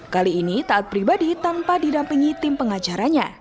kali ini taat pribadi tanpa didampingi tim pengacaranya